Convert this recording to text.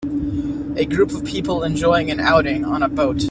A group of people enjoying an outing on a boat.